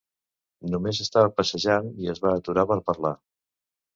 Només estava passejant i es va aturar per parlar.